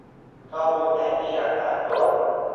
ข้อมูลแผนที่อัตราส่วน